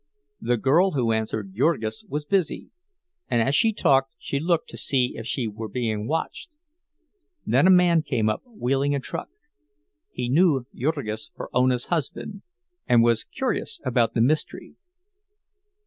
The girl who answered Jurgis was busy, and as she talked she looked to see if she were being watched. Then a man came up, wheeling a truck; he knew Jurgis for Ona's husband, and was curious about the mystery.